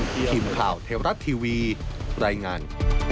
ทีมข่าวเทวรัฐทีวีรายงาน